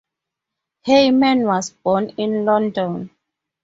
Heyman was born in London.